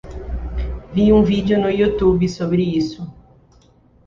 Vi um vídeo no YouTube sobre isso